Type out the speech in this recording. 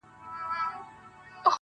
لاس يې د ټولو کايناتو آزاد، مړ دي سم.